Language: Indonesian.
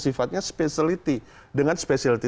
sifatnya specialty dengan specialty